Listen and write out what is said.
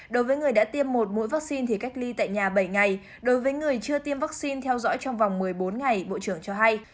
đối với người đã tiêm một mũi vaccine thì cách ly tại nhà bảy ngày đối với người chưa tiêm vaccine theo dõi trong vòng một mươi bốn ngày bộ trưởng cho hay